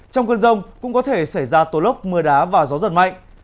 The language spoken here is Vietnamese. trong cơn rông cũng có thể xảy ra tố lốc mưa đá và gió giật mạnh